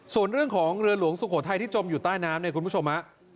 ส่วนเรื่องของเรือหลวงสุโขทัยที่จมอยู่ใต้น้ำเนี่ยคุณผู้ชมฮะ